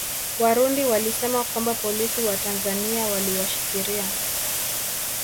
Warundi walisema kwamba polisi wa Tanzania waliwashikiria